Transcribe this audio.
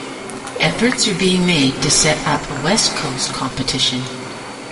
Efforts are being made to set up a west coast competition.